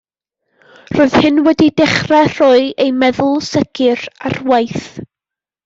Roedd hyn wedi dechrau rhoi ei meddwl segur ar waith.